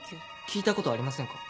聞いたことありませんか？